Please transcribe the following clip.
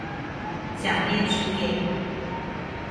假面之夜